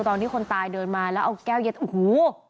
ตอนที่คนตายเดินมาแล้วเอาแก้วเย็ดโอ้โห